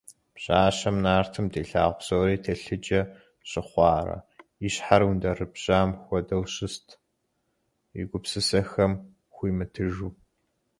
Пщащэм нартым дилъагъу псори телъыджэ щыхъуарэ и щхьэр ундэрэбжьам хуэдэу щыст, и гупсысэхэм хуимытыжу.